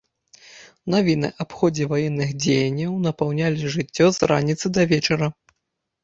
Навіны аб ходзе ваенных дзеянняў напаўнялі жыццё з раніцы да вечара.